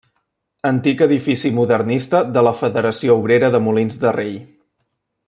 Antic edifici modernista de la Federació Obrera de Molins de Rei.